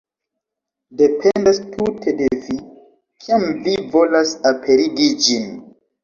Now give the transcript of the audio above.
Dependas tute de vi, kiam vi volas aperigi ĝin.